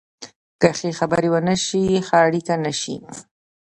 که ښه خبرې ونه شي، ښه اړیکې نشي